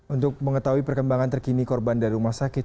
untuk mengetahui perkembangan terkini korban dari rumah sakit